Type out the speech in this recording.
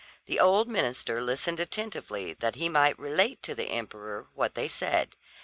The old minister listened attentively, that he might relate to the emperor what they said; and so he did.